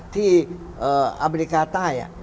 อเมริกาใต้